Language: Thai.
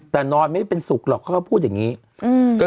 แต่นอนไม่เป็นสุขหรอกเขาก็พูดอย่างนี้